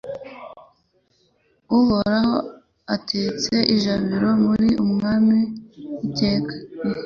Uhoraho atetse ijabiro ari umwami iteka